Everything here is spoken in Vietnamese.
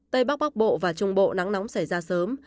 tây bắc bắc bộ và trung bộ nắng nóng xảy ra sớm